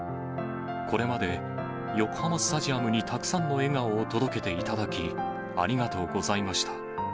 これまで横浜スタジアムにたくさんの笑顔を届けていただき、ありがとうございました。